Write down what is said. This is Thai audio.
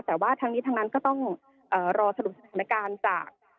แต่ว่าทั้งนี้ทั้งนั้นก็ต้องรอสรุปสถานการณ์จาก